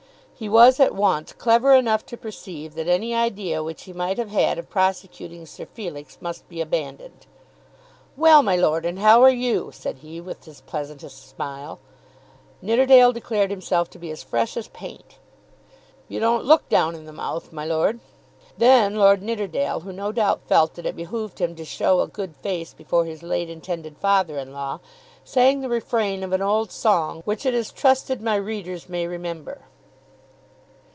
He was at once clever enough to perceive that any idea which he might have had of prosecuting Sir Felix must be abandoned. "Well, my Lord, and how are you?" said he with his pleasantest smile. Nidderdale declared himself to be as fresh as paint. "You don't look down in the mouth, my Lord." Then Lord Nidderdale, who no doubt felt that it behoved him to show a good face before his late intended father in law, sang the refrain of an old song, which it is trusted my readers may remember.